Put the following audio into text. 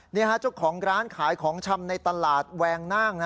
นี่ฮะเจ้าของร้านขายของชำในตลาดแวงน่าง